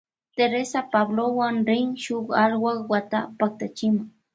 Teresa Pablowan rin shuk alwak wata paktachima.